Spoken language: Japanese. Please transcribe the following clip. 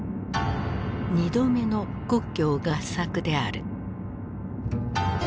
２度目の国共合作である。